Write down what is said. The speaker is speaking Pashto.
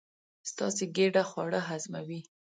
ستاسې ګېډه خواړه هضموي.